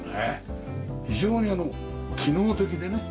非常に機能的でね。